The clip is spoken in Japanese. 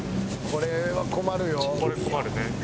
これは困るよ」